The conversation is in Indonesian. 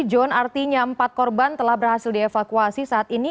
john artinya empat korban telah berhasil dievakuasi saat ini